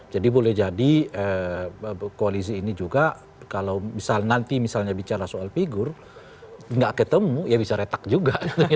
jadi boleh jadi koalisi ini juga kalau misalnya nanti bicara soal figur nggak ketemu ya bisa retak juga